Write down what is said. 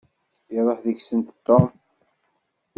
Iṛuḥ deg-sent Tom.